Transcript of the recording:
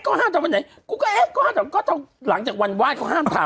ก็ห้ามทำวันไหนกูก็เอ๊ะก็ห้ามถามก็หลังจากวันไหว้เขาห้ามทำ